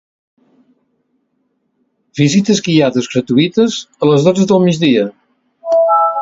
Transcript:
visites guiades gratuïtes a les dotze del migdia